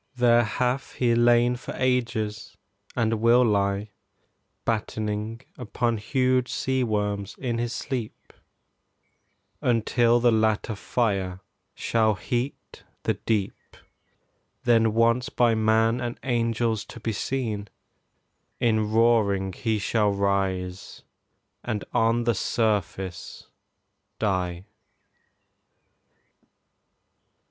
There hath he lain for ages, and will lie Battening upon huge sea worms in his sleep, Until the latter fire shall heat the deep; Then once by man and angels to be seen, In roaring he shall rise and on the surface die.